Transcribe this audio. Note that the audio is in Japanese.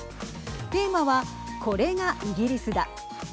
テーマは、これがイギリスだ。